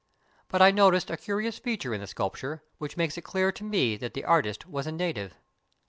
But I noticed a curious feature in the sculpture, which makes it clear to me that the artist was a native.